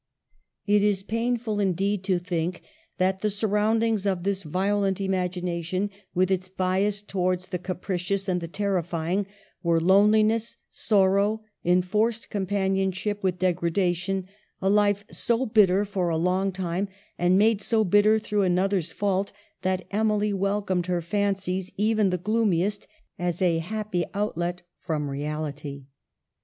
" It is painful, indeed, to think that the sur roundings of this violent imagination, with its bias towards the capricious and the terrifying, were loneliness, sorrow, enforced companionship with degradation ; a life so bitter, for a long time, and made so bitter through another's fault, that Emily welcomed her fancies, even the gloomiest, as a happy outlet from reality.